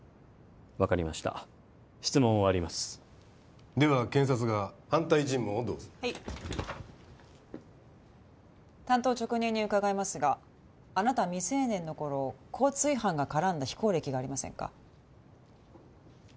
分かりました質問を終わりますでは検察側反対質問をどうぞはい単刀直入に伺いますがあなた未成年の頃交通違反が絡んだ非行歴がありませんか？